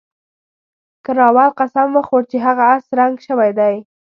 کراول قسم وخوړ چې هغه اس رنګ شوی دی.